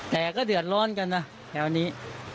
แต่ก็เดือดร้อนกันนะแถวนี้